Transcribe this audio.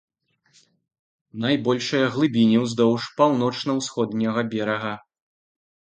Найбольшыя глыбіні ўздоўж паўночна-усходняга берага.